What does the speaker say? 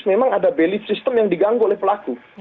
memang ada belief system yang diganggu